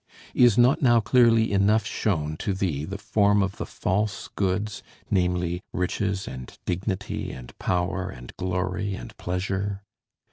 Is not now clearly enough shown to thee the form of the false goods; namely, riches, and dignity, and power, and glory, and pleasure?